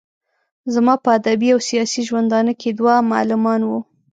زما په ادبي او سياسي ژوندانه کې دوه معلمان وو.